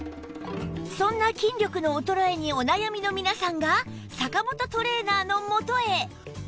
そんな筋力の衰えにお悩みの皆さんが坂本トレーナーの元へ